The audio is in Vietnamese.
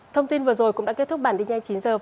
thông tin vừa rồi cũng đã kết thúc bản định ngay chín h